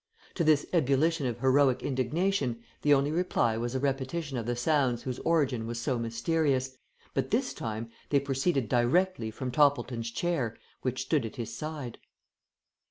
To this ebullition of heroic indignation, the only reply was a repetition of the sounds whose origin was so mysterious, but this time they proceeded directly from Toppleton's chair which stood at his side.